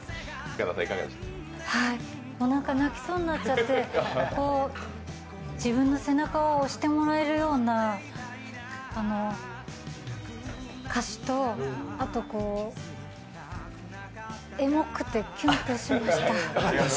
もう泣きそうになっちゃって自分の背中を押してもらえるような歌詞とあと、エモくてキュンとしました。